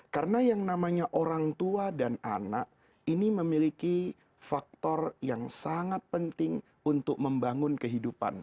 karena yang namanya orang tua dan anak ini memiliki faktor yang sangat penting untuk membangun kehidupan